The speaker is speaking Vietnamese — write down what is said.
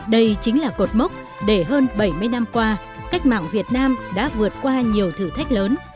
đây chính là cột mốc để hơn bảy mươi năm qua cách mạng việt nam đã vượt qua nhiều thử thách lớn